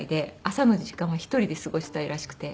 朝の時間は１人で過ごしたいらしくて。